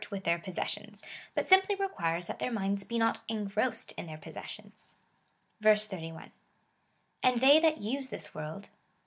with their possessions, but simply requires that their minds be not engrossed in their possessions.^ 81. And they that use this world.